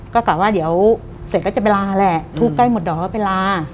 ก็กลายว่าเสร็จแล้วจะไปลาแหละทูบใกล้หมดดอกก็ไปลา